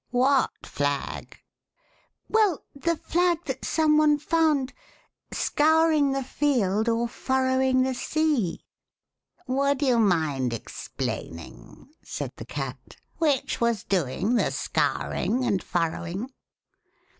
What flag ?"Well, the flag that some one found, Scouring the field or furrowing the sea'' Would you mind explaining," said the Cat, which was doing the scouring and furrowing.'